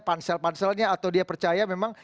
pansel panselnya atau dia percaya memang